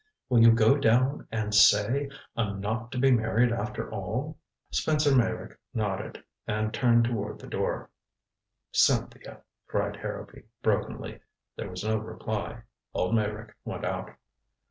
Will you go down and say I'm not to be married, after all?" Spencer Meyrick nodded, and turned toward the door. "Cynthia," cried Harrowby brokenly. There was no reply. Old Meyrick went out.